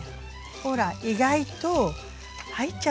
ほら意外と入っちゃうでしょう？